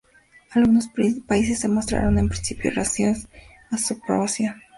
Algunos países se mostraron en principio reacios a su aprobación.